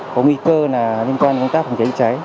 có nguy cơ liên quan đến tác phòng cháy chữa cháy